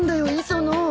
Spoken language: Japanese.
磯野。